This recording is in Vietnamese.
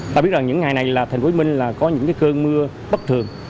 ta biết rằng những ngày này là tp hcm là có những cái cơn mưa bất thường